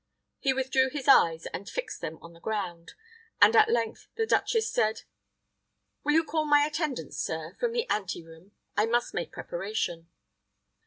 He withdrew his eyes, and fixed them on the ground, and at length the duchess said, "Will you call my attendants, sir, from the ante room? I must make preparation."